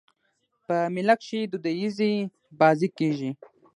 په مېله کښي دودیزي بازۍ کېږي.